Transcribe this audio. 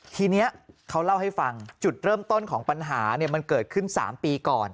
ทีนี้เขาเล่าให้ฟังจุดเริ่มต้นของปัญหามันเกิดขึ้น๓ปีก่อน